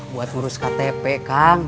buat urus ktp kang